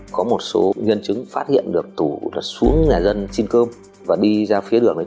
có một số nguyên chứng phát hiện được tủ đã xuống nhà dân xin cơm và đi ra phía đường này